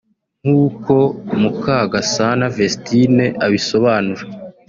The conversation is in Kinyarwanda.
nk’uko Mukagasana Vestine abisobanura